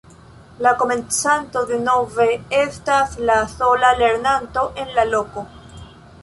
La komencanto denove estas la sola lernanto en la loko.